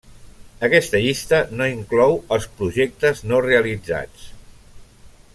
Aquesta llista no inclou els projectes no realitzats.